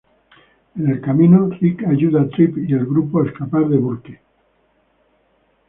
En el camino, Rick ayuda a Tripp y al grupo a escapar de Burke.